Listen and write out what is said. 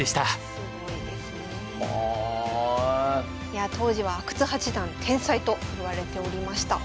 いやあ当時は阿久津八段天才といわれておりました。